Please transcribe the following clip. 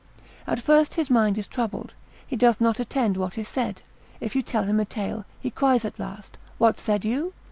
At first his mind is troubled, he doth not attend what is said, if you tell him a tale, he cries at last, what said you?